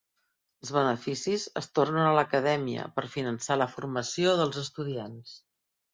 Els beneficis es tornen a l'Acadèmia per finançar la formació dels estudiants.